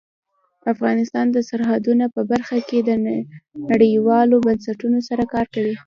افغانستان د سرحدونه په برخه کې نړیوالو بنسټونو سره کار کوي.